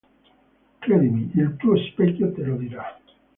Credimi; il tuo specchio te lo dirà.